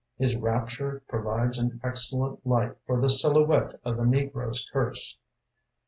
His rapture provides an excellent light For the silhouette of the negro's curse.